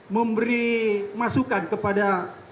memberi masukan kepada